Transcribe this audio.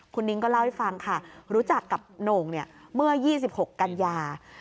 คุณนิ้งก็เล่าให้ฟังค่ะรู้จักกับโหน่งเมื่อ๒๖กันยา